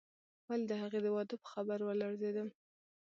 ولې د هغې د واده په خبر ولړزېدم.